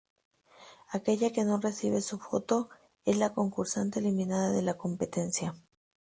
Aquella que no recibe su foto, es la concursante eliminada de la competencia.